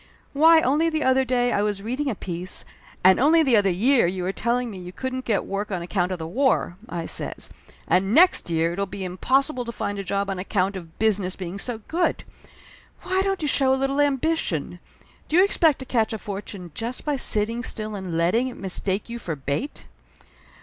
Why, only the other day I was reading a piece " "And only the other year you were telling me you couldn't get work on account of the war!" I says. "And next year it'll be impossible to find a job on account of business being so good! Why don't you show a little ambition? Do you expect to catch a fortune just by sitting still and letting it mistake you for bait?"